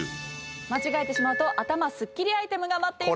間違えてしまうと頭スッキリアイテムが待っています。